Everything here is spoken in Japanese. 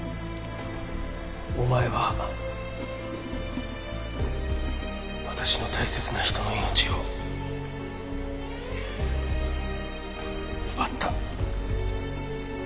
「お前は私の大切な人の命を奪った」